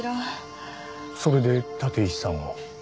それで立石さんを。